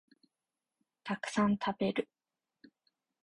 たくさん食べる